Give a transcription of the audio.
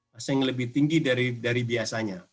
pasien yang lebih tinggi dari biasanya